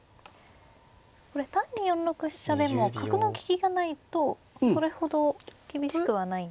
これ単に４六飛車でも角の利きがないとそれほど厳しくはないんですね。